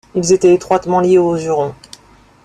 Ils étaient étroitement liés aux Hurons.